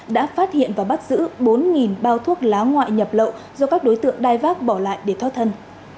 đã phát hiện và bắt giữ bốn bao thuốc lá ngoại nhập lậu do các đối tượng đai vác bỏ lại để thoát thân